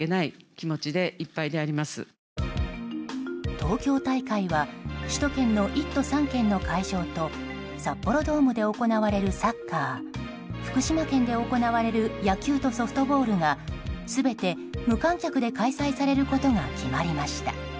東京大会は首都圏の１都３県の会場と札幌ドームで行われるサッカー福島県で行われる野球とソフトボールが全て無観客で開催されることが決まりました。